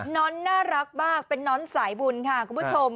้อนน่ารักมากเป็นน้อนสายบุญค่ะคุณผู้ชม